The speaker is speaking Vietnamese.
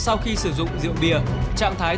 sau khi sử dụng rượu bia trạng thái